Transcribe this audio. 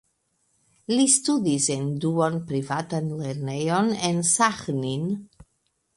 Li studis en duonprivatan lernejon en Saĥnin.